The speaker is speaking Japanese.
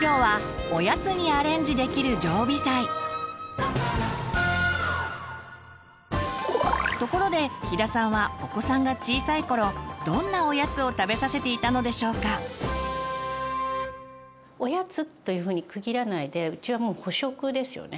今日はところで飛田さんはお子さんが小さい頃どんなおやつを食べさせていたのでしょうか？おやつというふうに区切らないでうちはもう補食ですよね。